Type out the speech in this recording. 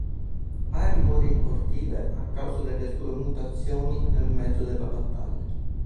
Ari muore in cortile a causa delle sue mutazioni nel mezzo della battaglia.